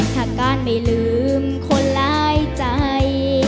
ถ้าการไม่ลืมคนร้ายใจ